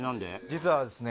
実はですね